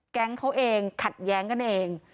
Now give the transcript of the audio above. แก๊งเขาเองขัดแย้งกันเอง